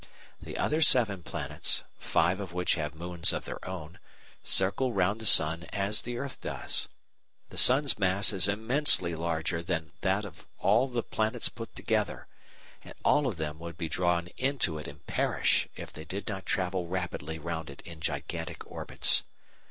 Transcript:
The other seven planets, five of which have moons of their own, circle round the sun as the earth does. The sun's mass is immensely larger than that of all the planets put together, and all of them would be drawn into it and perish if they did not travel rapidly round it in gigantic orbits.